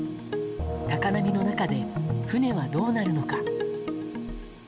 高波の中で船はどうなるのか。